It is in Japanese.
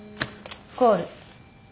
コール。